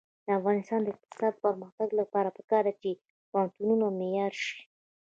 د افغانستان د اقتصادي پرمختګ لپاره پکار ده چې پوهنتونونه معیاري شي.